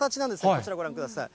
こちらご覧ください。